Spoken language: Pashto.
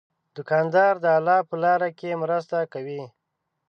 دوکاندار د الله په لاره کې مرسته کوي.